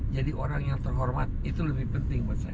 jadi orang yang terhormat itu lebih penting buat saya